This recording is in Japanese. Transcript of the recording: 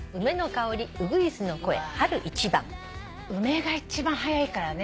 梅が一番早いからね。